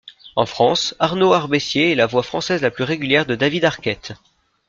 En France, Arnaud Arbessier est la voix française la plus régulière de David Arquette.